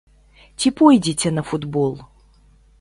Ці пойдзеце на футбол?